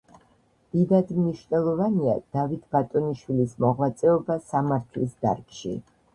დიდად მნიშვნელოვანია დავით ბატონიშვილის მოღვაწეობა სამართლის დარგში.